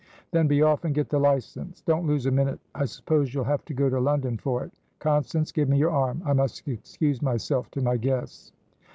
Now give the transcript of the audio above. "Then be off and get the license! Don't lose a minute. I suppose you'll have to go to London for it? Constance, give me your arm. I must excuse myself to my guests."